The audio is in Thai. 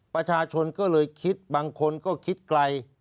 ประชาชนก็เลยคิดบางคนก็คิดไกล